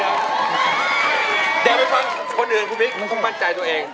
คนแล้วคุณพิคคุณก็ต้องมั่นใจตัวเอง